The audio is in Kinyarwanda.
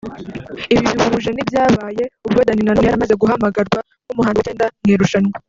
Ibi bihuje n'ibyabaye ubwo Danny Nanone yari amaze guhamagarwa nk’umuhanzi wa cyenda mu irushanwa